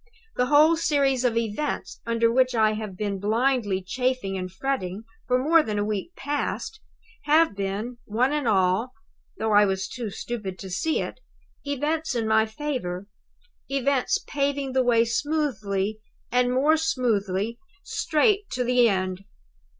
The whole series of events under which I have been blindly chafing and fretting for more than a week past have been, one and all though I was too stupid to see it events in my favor; events paving the way smoothly and more smoothly straight to the end.